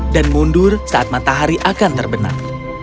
dan mundur saat matahari akan terbenam